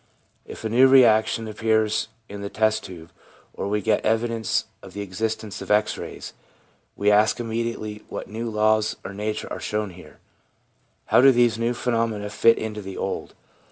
If a new reaction appears in the test tube, or we get evidence of the existence of X rays, we ask immediately what new laws of nature are shown here ? How do these new phenomena fit into the old